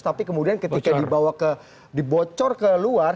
tapi kemudian ketika dibocor ke luar